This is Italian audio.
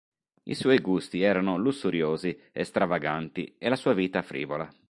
I suoi gusti erano lussuriosi e stravaganti e la sua vita frivola.